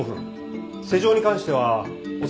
施錠に関しては大崎。